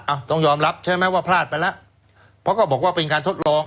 ต้องยอมรับใช่ไหมว่าพลาดไปแล้วเพราะก็บอกว่าเป็นการทดลอง